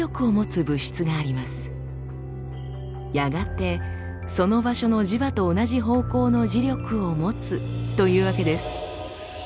やがてその場所の磁場と同じ方向の磁力を持つというわけです。